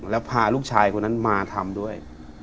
แล้วพาลูกชายคนนั้นมาทำด้วย